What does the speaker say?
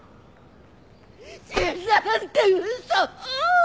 死んだなんて嘘！